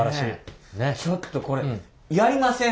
ちょっとこれやりません？